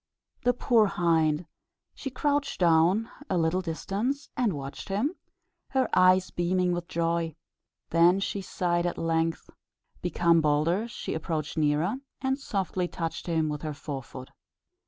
The poor hind! she crouched down at a little distance, and watched him, her eyes beaming with joy. Then she sighed: at length, become bolder, she approached nearer, and softly touched him with her fore foot.